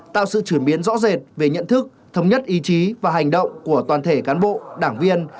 tạo sự chuyển biến rõ rệt về nhận thức thống nhất ý chí và hành động của toàn thể cán bộ đảng viên